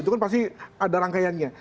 itu kan pasti ada rangkaiannya